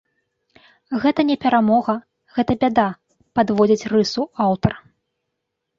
Гэта не перамога, гэта бяда, падводзіць рысу аўтар.